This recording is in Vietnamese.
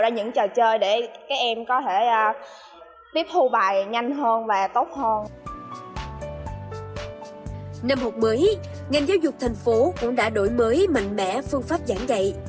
năm học mới ngành giáo dục thành phố cũng đã đổi mới mạnh mẽ phương pháp giảng dạy